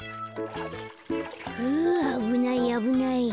ふうあぶないあぶない。